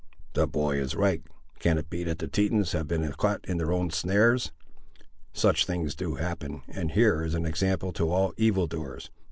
"The boy is right! can it be, that the Tetons have been caught in their own snares? Such things do happen; and here is an example to all evil doers.